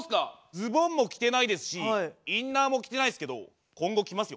ズボンも着てないですしインナーも着てないですけど今後きますよ。